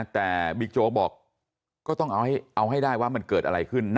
แต่บิ๊กโจ๊กบอกก็ต้องเอาให้ได้ว่ามันเกิดอะไรขึ้น